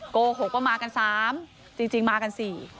โกหกว่ามากัน๓จริงมากัน๔